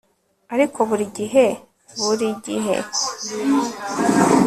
Ariko burigihe bur igihe